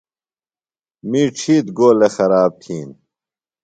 می ڇِھیتر گو لےۡ خراب تِھین۔